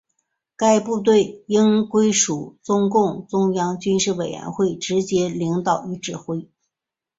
该部队仍归属中共中央军事委员会直接领导与指挥。